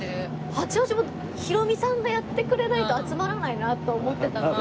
八王子もヒロミさんがやってくれないと集まらないなと思ってたら。